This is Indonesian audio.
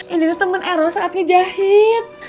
ini temen eros saat ngejahit